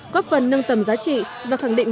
góp phần nâng tầm giá trị và khẳng định